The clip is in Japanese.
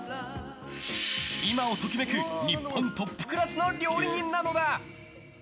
今を時めく日本トップクラスの料理人なのだ。